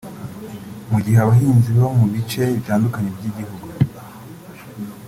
Mu gihe abahinzi bo mu bice bitandukanye by’igihugu